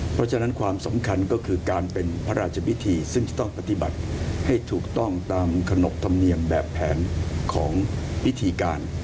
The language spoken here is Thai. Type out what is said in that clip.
เพราะฉะนั้นความสำคัญก็คือการเป็นพระราชพิธีซึ่งจะต้องปฏิบัติให้ถูกต้องตามขนบธรรมเนียมแบบแผนของพิธีการ